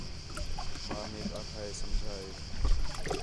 ماں میک آکھا ہے سمجھا ہے